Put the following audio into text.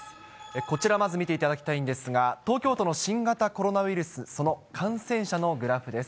こちら、まず見ていただきたいんですが、東京都の新型コロナウイルス、その感染者のグラフです。